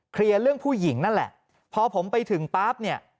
เรื่องผู้หญิงนั่นแหละพอผมไปถึงปั๊บเนี่ย